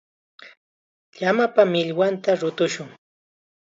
Llamapa millwanta rutushun.